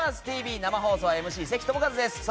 生放送ＭＣ、関智一です。